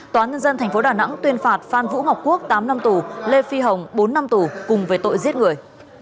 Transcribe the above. tòa nhân dân tp đà nẵng tuyên phạt phan vũ ngọc quốc tám năm tù lê phi hồng bốn năm tù cùng về tội giết người